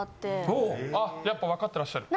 やっぱ分かってらっしゃる。